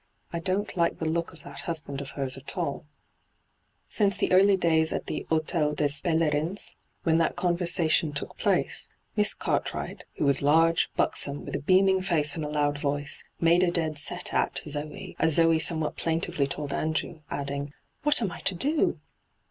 I don't like the look of that husband of hers at all' Since the early days at the H6tel des P&lerins, when that conversation took place, Miss Cartwright, who was large, buxom, with a beaming face and a loud voice, ' made a dead set at ' Zoe, as Zoe somewhat plaintively told Andrew, adding, ' What am I to do